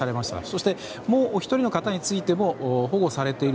そして、もう１人の方についても保護できている。